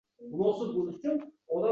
O‘zi bog‘bon istagan gul